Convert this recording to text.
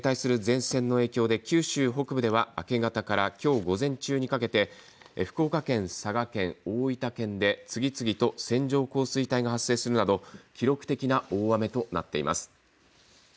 気象庁によりますと停滞する前線の影響で九州北部では明け方からきょう午前中にかけて福岡県、佐賀県、大分県で次々と線状降水帯が発生するなど記録的な大雨となっています。